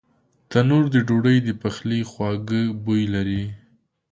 تنور د ډوډۍ د پخلي خواږه بوی لري